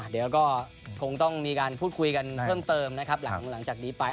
เดี๋ยวก็คงต้องมีการพูดคุยกันเพิ่มเติมนะครับหลังจากนี้ไป